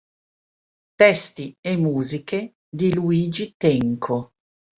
Testi e musiche di Luigi Tenco.